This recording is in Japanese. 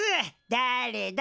だれだ？